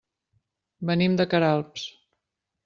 Venim de Queralbs.